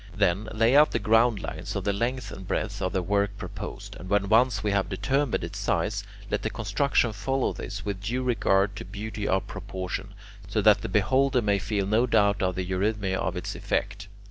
Then, lay out the ground lines of the length and breadth of the work proposed, and when once we have determined its size, let the construction follow this with due regard to beauty of proportion, so that the beholder may feel no doubt of the eurythmy of its effect.